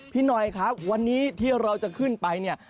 พี่หน่อยครับวันนี้ที่เราจะขึ้นไปเนี่ย